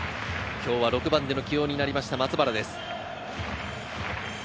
今日は６番での起用になりました、松原です。